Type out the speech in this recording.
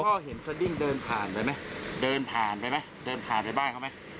พ่อเห็นสดิ้งเดินผ่านไปไหม